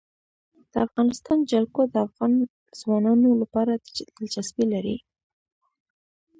د افغانستان جلکو د افغان ځوانانو لپاره دلچسپي لري.